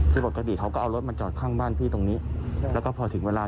คือปกติเขาก็เอารถมาจอดข้างบ้านพี่ตรงนี้แล้วก็พอถึงเวลา